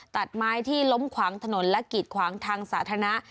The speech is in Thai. ตัดไม้ที่ล้มขวางถนนและกีดขวางทางสาธารณะ